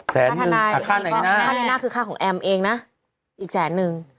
ค่าธนายค่าธนายคือค่าของเอ็มเองนะอีกแสนนึง